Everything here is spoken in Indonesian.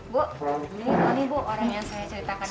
bu ini bu orang yang saya ceritakan